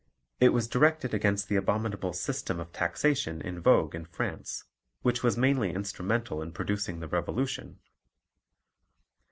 It was directed against the abominable system of taxation in vogue in France, which was mainly instrumental in producing the Revolution.